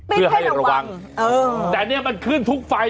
เพื่อให้ระวังแต่เนี่ยมันขึ้นทุกไฟ